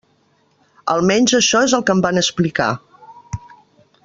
Almenys això és el que em van explicar.